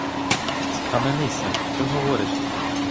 Схаменися, що говориш ти?